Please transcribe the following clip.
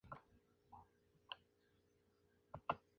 Su capital y ciudad más grande de la región es Kuopio.